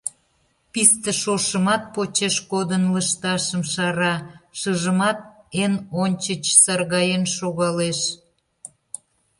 Писте шошымат почеш кодын лышташым шара, шыжымат эн ончыч саргаен шогалеш.